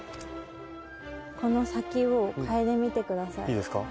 いいですか？